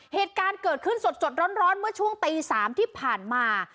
เหตุการณ์เกิดขึ้นสดร้อนเมื่อช่วงตี๓ที่ผ่านมา